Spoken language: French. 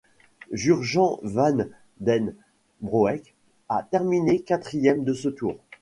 Jurgen Van den Broeck a terminé quatrième de ce Tour.